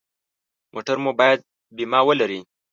موټر مو باید بیمه ولري.